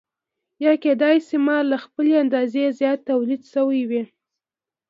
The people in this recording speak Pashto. یا کېدای شي مال له خپلې اندازې زیات تولید شوی وي